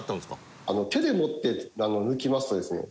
手で持って抜きますとですね